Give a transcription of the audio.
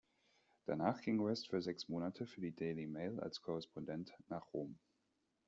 Danach ging West für sechs Monate für die "Daily Mail" als Korrespondent nach Rom.